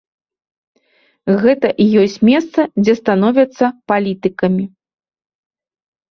Гэта і ёсць месца, дзе становяцца палітыкамі.